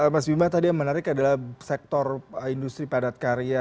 mas bima tadi yang menarik adalah sektor industri padat karya